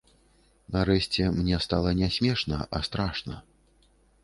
Нарэшце мне стала не смешна, а страшна.